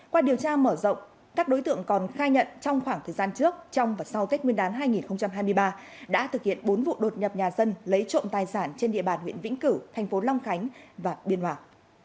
qua điều tra mở rộng các đối tượng còn khai nhận trong khoảng thời gian trước trong và sau tết nguyên đán hai nghìn hai mươi ba đã thực hiện bốn vụ đột nhập nhà dân lấy trộm tài sản trên địa bàn huyện vĩnh cửu thành phố long khánh và biên hoàng